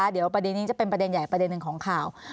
เดี๋ยวประเด็นนี้จะเป็นประเด็นใหญ่ประเด็นหนึ่งของข่าว